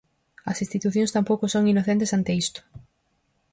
As institucións tampouco son inocentes ante isto.